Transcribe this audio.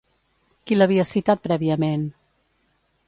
Qui l'havia citat prèviament?